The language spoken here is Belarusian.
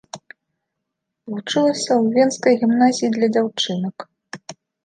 Вучылася ў венскай гімназіі для дзяўчынак.